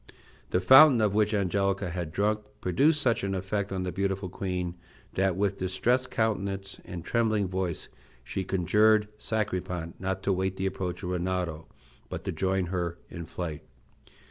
The fountain of which Angelica had drunk produced such an effect on the beautiful queen that, with distressed countenance and trembling voice, she conjured Sacripant not to wait the approach of Rinaldo, but to join her in flight.